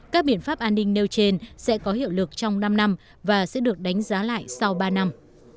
các biện pháp an ninh nêu trên sẽ có hiệu lực trong năm năm và sẽ được đánh giá lại sau ba năm